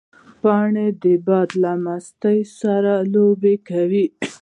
پاڼې د باد له مستۍ سره لوبې کوي